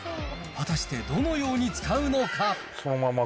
果たしてどのように使うのか。